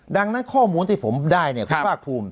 ดังนั้นข้อมูลที่ผมได้เนี่ยคุณภาคภูมิ